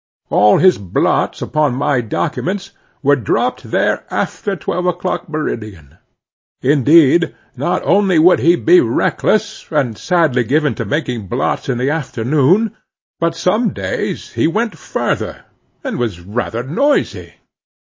All his blots upon my documents, were dropped there after twelve o'clock, meridian. Indeed, not only would he be reckless and sadly given to making blots in the afternoon, but some days he went further, and was rather noisy.